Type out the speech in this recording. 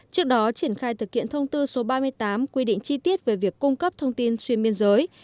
trước đó triển khai thực hiện thông tư số ba mươi tám quy định chi tiết về việc cung cấp thông tin xuyên biên giới